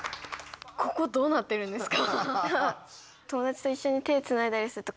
ここどうなってるんですか？